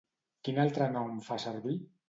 Quin altre nom fa servir?